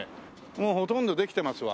もうほとんどできてますわ。